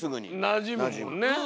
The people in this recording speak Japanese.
なじむもんね。